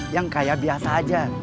yang kaya biasa aja